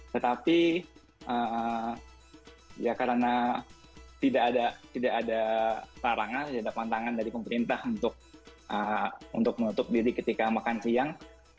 tetapi ya karena tidak ada larangan tidak ada pantangan dari pemerintah untuk menutup diri ketika makan siang